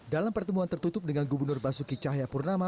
dalam pertemuan tertutup dengan gubernur basuki cahayapurnama